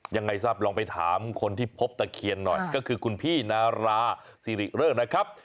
ยังไงทราบลองไปถามคนที่พบตะเคียนหน่อยก็คือคุณพี่นาราสิริเริกนะครับ